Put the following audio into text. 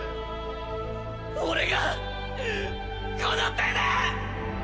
俺がこの手で！